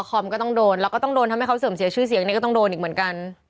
คอมก็ต้องโดนแล้วก็ต้องโดนทำให้เขาเสื่อมเสียชื่อเสียงนี่ก็ต้องโดนอีกเหมือนกัน